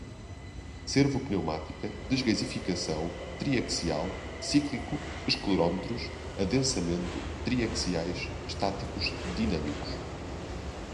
servo-pneumática, desgaseificação, triaxial, cíclico, esclerômetros, adensamento, triaxiais, estático, dinâmicos